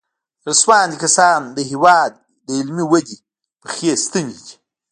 زړه سواندي کسان د هېواد د علمي ودې پخې ستنې دي.